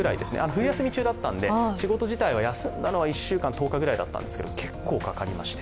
冬休み中だったんで仕事自体は休んだのは１週間、１０日くらいだったんですけど結構かかりまして。